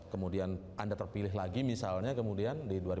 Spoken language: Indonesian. kemudian anda terpilih lagi misalnya kemudian di dua ribu tujuh belas itu